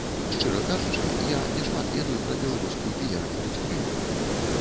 Шчыра кажучы, я няшмат ведаю пра беларускую піяр-індустрыю.